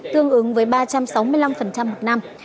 tương ứng với ba trăm sáu mươi năm một năm